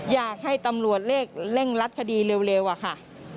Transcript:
อยากให้ตำรวจเร่งรัดคดีเร็วอะค่ะ